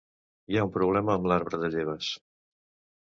Hi ha un problema amb l'arbre de lleves.